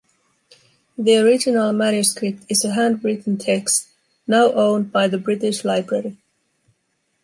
The original manuscript is a handwritten text, now owned by the British Library.